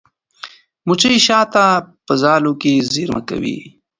مچۍ شات په ځالو کې زېرمه کوي.